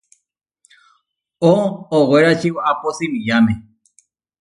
Oʼowérači waʼápo simiyáme.